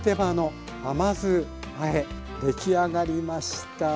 出来上がりました。